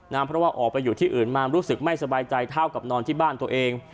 เพราะว่าออกไปอยู่ที่อื่นมารู้สึกไม่สบายใจเท่ากับนอนที่บ้านตัวเอง